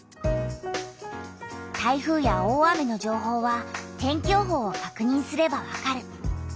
台風や大雨の情報は天気予報をかくにんすればわかる。